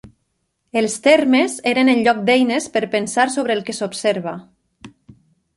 Els termes eren en lloc d'eines per pensar sobre el que s'observa.